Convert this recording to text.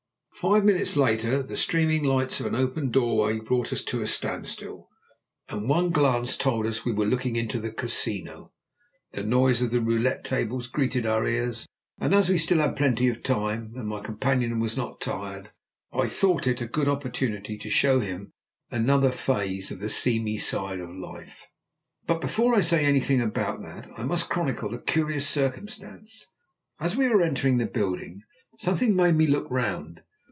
Five minutes later the streaming lights of an open doorway brought us to a standstill, and one glance told us we were looking into the Casino. The noise of the roulette tables greeted our ears, and as we had still plenty of time, and my companion was not tired, I thought it a good opportunity to show him another phase of the seamy side of life. But before I say anything about that I must chronicle a curious circumstance. As we were entering the building, something made me look round.